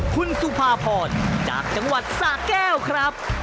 คุณสุภาพรจากจังหวัดสะแก้วครับ